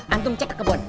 antut cek ke kebun